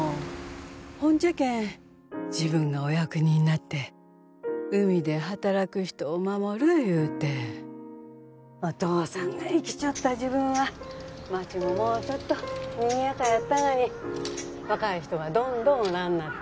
ほんじゃけん自分がお役人になって海で働く人を守るゆうてお父さんが生きちょった時分は町ももうちょっとにぎやかやったがに若い人がどんどんおらんなって